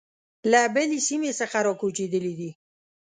له بلې سیمې څخه را کوچېدلي دي.